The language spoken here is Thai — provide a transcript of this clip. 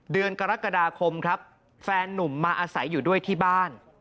เดือนกรกฎาคมครับแฟนนุ่มมาอาศัยอยู่ด้วยที่บ้าน